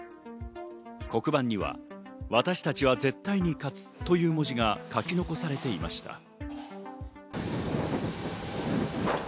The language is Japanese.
黒板には、「私たちは絶対に勝つ」という文字が書き残されていました。